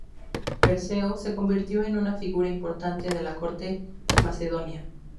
Perseo se convirtió en una figura importante de la corte macedonia.